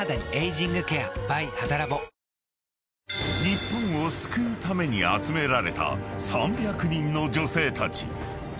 ［日本を救うために集められた３００人の女性たち］